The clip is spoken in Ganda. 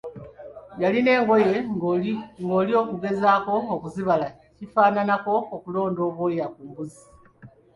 Yalina engoye ng'oli okugezaako okuzibala kifaananako okulonda obwoya ku mbuuzi.